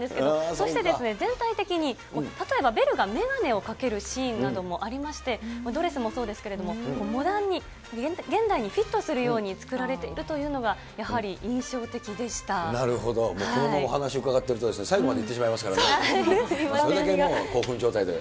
そして全体的に、例えばベルが眼鏡をかけるシーンなどもありまして、ドレスもそうですけれども、モダンに、現代にフィットするように作られているというのが、なるほど、このままお話伺っていると最後までいってしまいますからね。